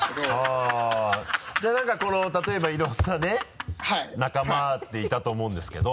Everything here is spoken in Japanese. あっじゃあ何かこの例えばいろんなね仲間っていたと思うんですけど。